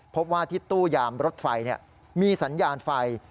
พบว่าที่ตู้ยามรถไฟมีสัญญาณไฟ